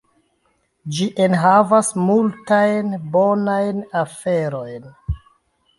Ĝi enhavas multajn bonajn aferojn.